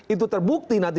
itu terbukti nanti